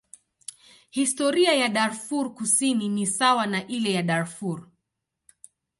Historia ya Darfur Kusini ni sawa na ile ya Darfur.